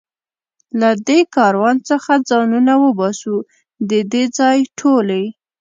له دې کاروان څخه ځانونه وباسو، د دې ځای ټولې.